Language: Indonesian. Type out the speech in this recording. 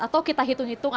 atau kita hitungnya